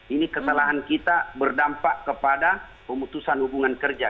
ini kesalahan kita berdampak kepada pemutusan hubungan kerja